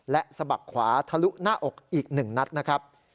และสะบักขวาทะลุหน้าอกอีก๑นัดนะครับ